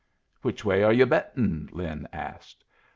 "Which way are yu' bettin'?" Lin asked.